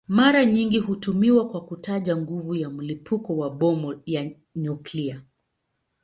Mara nyingi hutumiwa kwa kutaja nguvu ya mlipuko wa bomu la nyuklia.